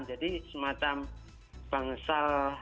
jadi semacam bangsal